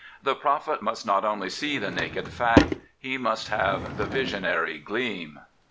The prophet must not only see the naked fact; he must have the visionary gleam.